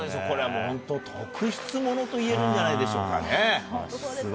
これは本当、特筆ものといえるんじゃないでしょうか。